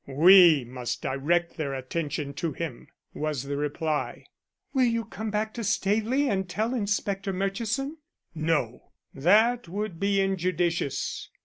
"We must direct their attention to him," was the reply. "Will you come back to Staveley and tell Inspector Murchison?" "No, that would be injudicious.